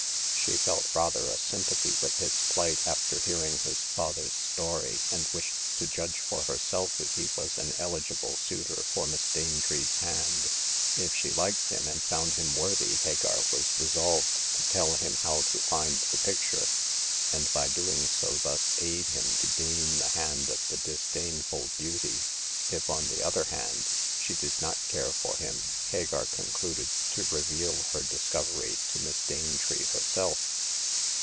She felt rather a sympathy with his plight after hearing his father's story, and wished to judge for herself if he w^as an eligible suitor for Miss Danetree's hand. If she liked him, and found him worthy, Hagar was resolved to tell him how to find the picture, and by doing so thus aid him to gain the hand of the disdainful beauty. If, on the other hand, she did not care for him, Hagar concluded to reveal her discovery to Miss Danetree herself.